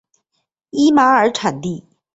伊玛尔地产。